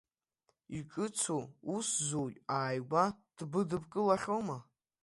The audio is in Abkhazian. Иҿыцу усзуҩ ааигәа дбыдыбкылахьоума?